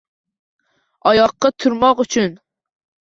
«Oyoqqa turmoq uchun»